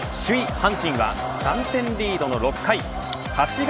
阪神は３点リードの６回８月